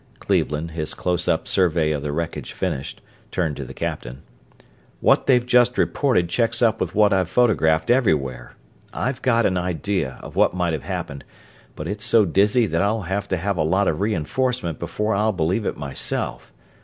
Cleveland, his close up survey of the wreckage finished, turned to the captain. "What they've just reported checks up with what I've photographed everywhere. I've got an idea of what might have happened, but it's so dizzy that I'll have to have a lot of reenforcement before I'll believe it myself.